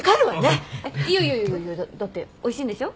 えっいやいやいやいやだっておいしいんでしょ？